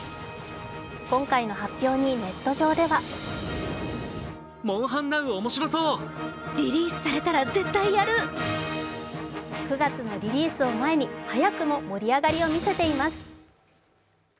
今回の発表にネット上では９月のリリースを前に早くも盛り上がりを見せています。